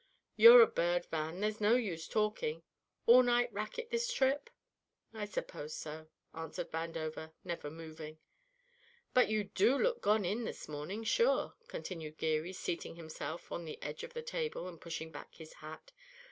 You're a bird, Van, there's no use talking! All night racket this trip?". "I suppose so," answered Vandover, never moving. "But you do look gone in this morning, sure," continued Geary, seating himself on the edge of the table and pushing back his hat.